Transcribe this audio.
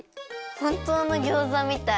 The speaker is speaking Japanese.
ほんとうのギョーザみたい。